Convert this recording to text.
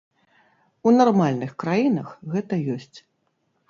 У нармальных краінах гэта ёсць.